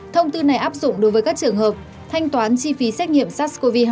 thông tư này áp dụng đối với các trường hợp thanh toán chi phí xét nghiệm sars cov hai